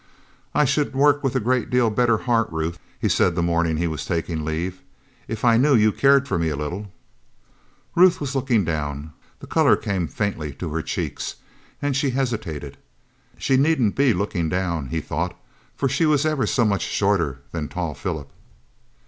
"I should work with a great deal better heart, Ruth," he said the morning he was taking leave, "if I knew you cared for me a little." Ruth was looking down; the color came faintly to her cheeks, and she hesitated. She needn't be looking down, he thought, for she was ever so much shorter than tall Philip.